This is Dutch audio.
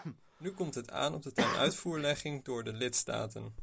Nu komt het aan op de tenuitvoerlegging door de lidstaten.